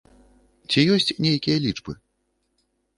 Ці ёсць нейкія лічбы?